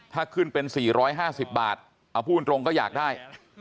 ถ้าขึ้นเป็น๔๕๐บาทเอาพูดตรงก็อยากได้